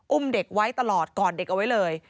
อุ้มเด็กไว้ตลอดกอดเด็กเอาไว้เลย